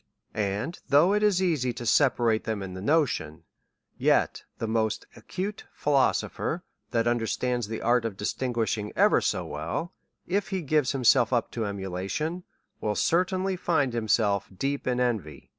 And though it is easy to separate them in the no tion, yet the most acute philosopher, that understands the art of distinguishing ever so well, if he gives him self up to emulation, will certainly find himself deep fn envy.